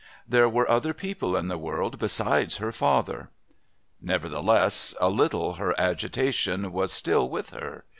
There were other people in the world besides her father.... Nevertheless, a little, her agitation was still with her.